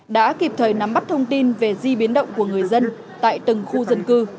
đã kịp thời nắm bắt thông tin về di biến động của người dân tại từng khu dân cư